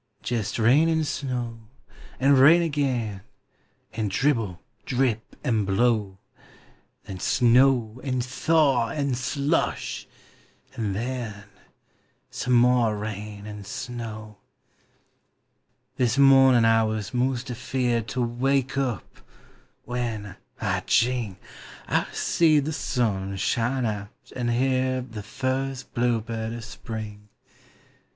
Jest rain and snow! and rain again! And dribble! drip! and blow! Then snow! and thaw! and slush! and then Some more rain and snow! This morning T was 'most afeard To wake up — when, I jing! I seen the sun shine out and heerd The firsl blur bird of Spring!